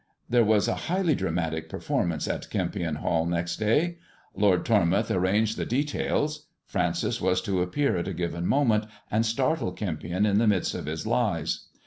There was a highly dramatic performance at Kempion Hall next day. Lord Tormouth arranged the details. Francis was to appear at a given moment, and startle Kempion in the midst of his lies.